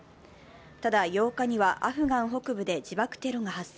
ただ、８日はアフガン北部で自爆テロが発生。